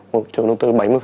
một chủ đầu tư bảy mươi